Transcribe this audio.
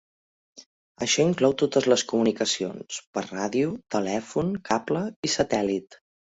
Això inclou totes les comunicacions per ràdio, telèfon, cable i satèl·lit.